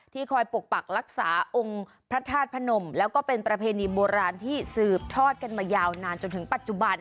คอยปกปักรักษาองค์พระธาตุพนมแล้วก็เป็นประเพณีโบราณที่สืบทอดกันมายาวนานจนถึงปัจจุบัน